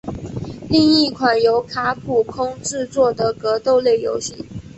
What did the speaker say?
是一款由卡普空制作的格斗类游戏。